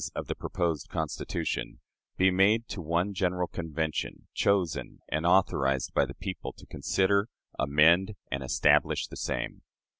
of the proposed Constitution] be made to one General Convention, chosen and authorized by the people, to consider, amend, and establish the same."